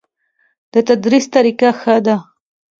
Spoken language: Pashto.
د تدریس طریقه ښه ده؟